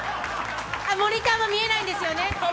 モニターも見えないんですよね。